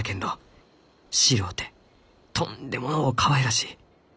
白うてとんでものうかわいらしい。